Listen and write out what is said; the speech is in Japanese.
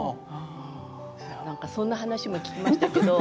そんな話も聞きましたけど。